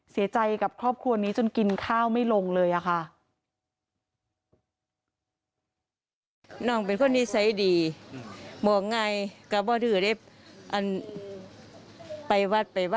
เสียใจกับครอบครัวนี้จนกินข้าวไม่ลงเลยค่ะ